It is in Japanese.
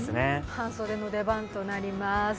半袖の出番となります。